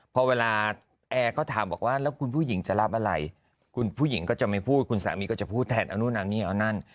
พอเวลาแอร์เขาถามบอกว่าแล้วคุณผู้หญิงจะรับอะไรคุณผู้หญิงก็จะไม่พูดคุณสามีก็จะพูดแทนเอานู่นเอานี่เอานั่น